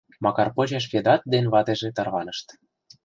Макар почеш Ведат ден ватыже тарванышт.